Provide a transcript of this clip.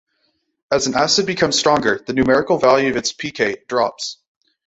As an acid becomes stronger, the numerical value of its pK drops.